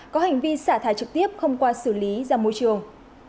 có hành vi xả thải trực tiếp không qua xử lý ra môi trường